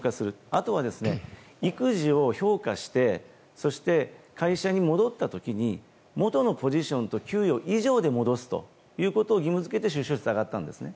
あとは育児を評価してそして会社に戻った時にもとのポジションと給与以上に戻すということを義務付けて出生率が上がったんですね。